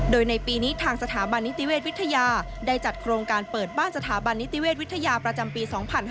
โดยในปีนี้ทางสถาบันนิติเวชวิทยาได้จัดโครงการเปิดบ้านสถาบันนิติเวชวิทยาประจำปี๒๕๕๙